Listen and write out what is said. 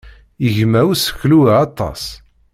Yegma useklu-a aṭas.